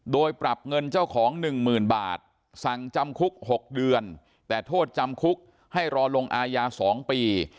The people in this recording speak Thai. โดยปรับเงินเจ้าของ๑๐๐๐บาทสั่งจำคุก๖เดือนแต่โทษจำคุกให้รอลงอาญา๒ปี